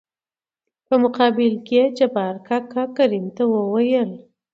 په مقابل کې يې جبار کاکا کريم ته وويل :